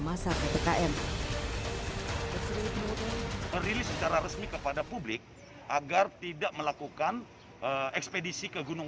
masa ppkm rilis secara resmi kepada publik agar tidak melakukan ekspedisi ke gunung